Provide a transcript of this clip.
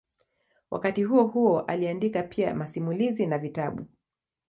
Wakati huohuo aliandika pia masimulizi na vitabu.